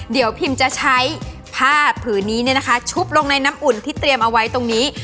เดี๋ยวพิมจะใช้ผ้าผืนนี้ชุบลงในน้ำอุ่นที่เตรียมเอาไว้ตรงนี้